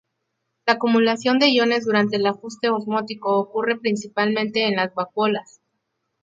La acumulación de iones durante el ajuste osmótico ocurre principalmente en las vacuolas.